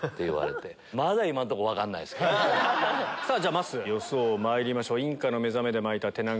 まっすー予想まいりましょう。